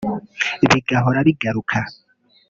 bigahora bigaruka